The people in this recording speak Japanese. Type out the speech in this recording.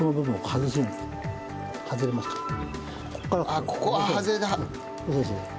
あっここは外れた。